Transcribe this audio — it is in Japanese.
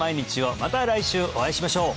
また来週お会いしましょう！